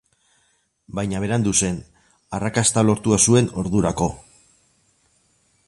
Baina berandu zen; arrakasta lortua zuen ordurako.